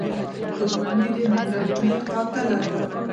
• دښمني د مهربانۍ قاتله ده.